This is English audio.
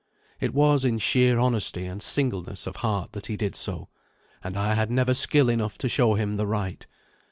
It was in sheer honesty and singleness of heart that he did so, and I had never skill enough to show him the right.